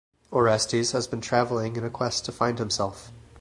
Orestes has been traveling in a quest to find himself.